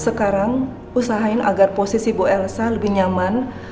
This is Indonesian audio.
sekarang usahain agar posisi bu elsa lebih nyaman